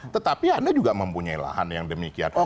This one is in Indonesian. tetapi anda juga mempunyai lahan yang demikian